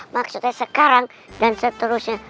maksudnya sekarang dan seterusnya